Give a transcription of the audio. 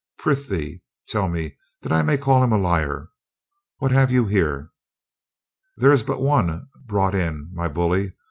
Prithee, tell me, that I may call him liar, what have you here." "There is but one brought in, my bully.